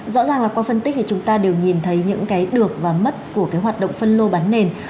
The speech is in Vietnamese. rõ ràng là qua phân tích thì chúng ta đều nhìn thấy những cái được và mất của cái hoạt động phân lô bán nền